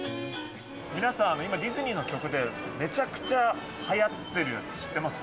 皆さん、今、ディズニーの曲で、めちゃくちゃはやってるやつ、知ってます？